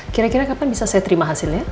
kira kira kapan bisa saya terima hasilnya